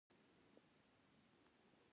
پرځای نقد کم دی، توهین ډېر دی.